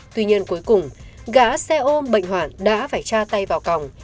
tuy nhiên cuối cùng gá xe ôm bệnh hoạn đã phải tra tay vào cổng